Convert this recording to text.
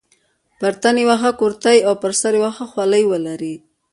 پر تن یوه ښه کورتۍ او پر سر یوه ښه خولۍ ولري.